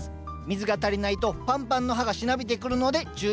水が足りないとパンパンの葉がしなびてくるので注意です。